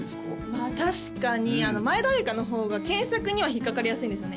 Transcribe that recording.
まあ確かに前田鮎花の方が検索には引っかかりやすいんですよね